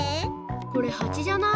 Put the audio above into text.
これハチじゃない？